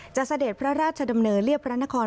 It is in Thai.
เสด็จพระราชดำเนินเรียบพระนคร